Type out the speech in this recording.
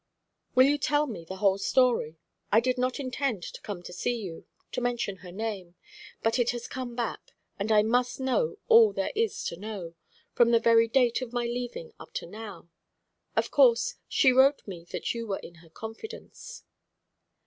"Will you tell me the whole story? I did not intend to come to see you, to mention her name. But it has come back, and I must know all that there is to know from the very date of my leaving up to now. Of course, she wrote me that you were in her confidence."